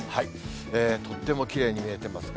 とってもきれいに見えています。